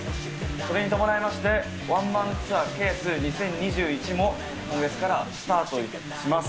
それに伴いまして、ワンマンツアー、Ｃａｓｅ２０２１も今月からスタートします。